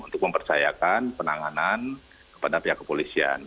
untuk mempercayakan penanganan kepada pihak kepolisian